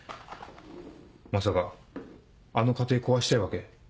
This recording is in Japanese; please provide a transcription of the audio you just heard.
まさかあの家庭壊したいわけ？